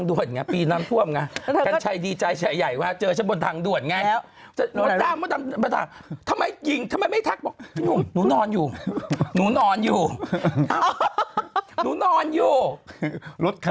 ก็ใช่ไงรู้หรือเปล่าเขาไม่โชค